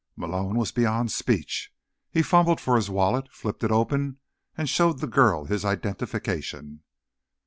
Malone was beyond speech. He fumbled for his wallet, flipped it open and showed the girl his identification.